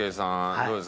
どうですか？